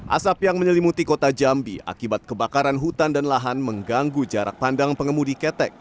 asap yang menyelimuti kota jambi akibat kebakaran hutan dan lahan mengganggu jarak pandang pengemudi ketek